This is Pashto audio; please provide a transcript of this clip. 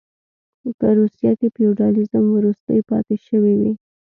په روسیه کې فیوډالېزم وروستۍ پاتې شوې وې.